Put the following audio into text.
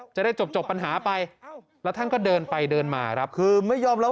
ใจจบโปรดหาไปแล้วท่านก็เดินไปเดินมารับคือไม่ยอมเรา